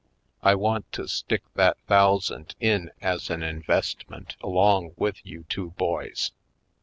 I want to stick that thousand in as an investment along with you t%vo boys.